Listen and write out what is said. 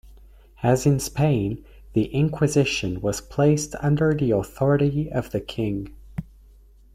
As in Spain, the Inquisition was placed under the authority of the king.